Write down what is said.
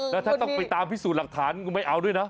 แล้วถ้าต้องไปตามพิสูจน์หลักฐานก็ไม่เอาด้วยนะ